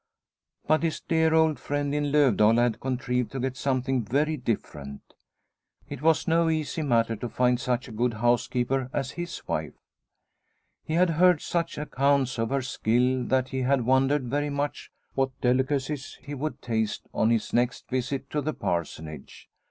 But his dear old friend in Lovdala had contrived to get some thing very different. It was no easy matter to find such a good housekeeper as his wife. He had heard such accounts of her skill that he had wondered very much what delicacies he would taste on his next visit to the Parsonage.